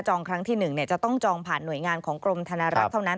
ครั้งที่๑จะต้องจองผ่านหน่วยงานของกรมธนารักษ์เท่านั้น